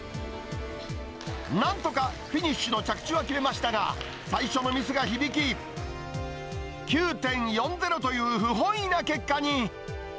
なんとかフィニッシュの着地は決めましたが、最初のミスが響き、９．４０という不本意な結果に。